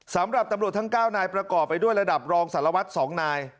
สำหรับตำรวจทั้ง๙นายประกอบไปด้วยระดับรองสารวัตร๒นาย